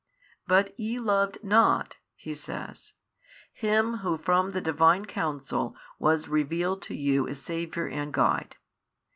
But ye loved not (He says) Him Who from the Divine counsel was revealed to you as Saviour and Guide.